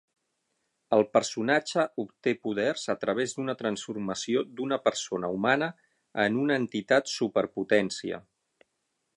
El personatge obté poders a través d'una transformació d'una persona humana en una entitat superpotència.